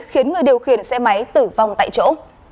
khiến người điều khiển xe máy tử vong tại chỗ